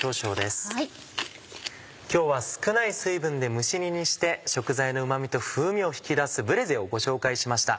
今日は少ない水分で蒸し煮にして食材のうま味と風味を引き出すブレゼをご紹介しました。